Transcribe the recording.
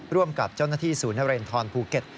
ร่วมกับเจ้าหน้าที่ศูนารรันด์ทอนภูเก็ต